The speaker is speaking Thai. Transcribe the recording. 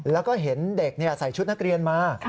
แล้วก็เห็นเด็กใส่ชุดนักเรียนมา